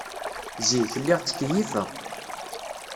Zik, lliɣ ttkeyyifeɣ.